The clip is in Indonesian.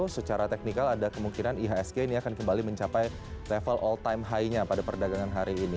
secara teknikal ada kemungkinan ihsg ini akan kembali mencapai level all time high nya pada perdagangan hari ini